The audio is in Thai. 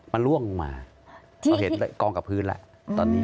มันล่วงลงมาเราเห็นกองกับพื้นแล้วตอนนี้